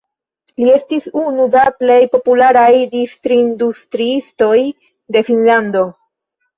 Li estis unu da plej popularaj distrindustriistoj de Finnlando.